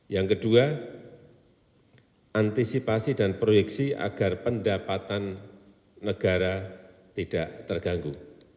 yang kedua antisipasi dan proyeksi agar pendapatan negara tidak terganggu